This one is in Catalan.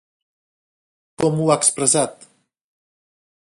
Com ho ha expressat?